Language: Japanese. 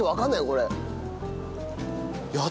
これ。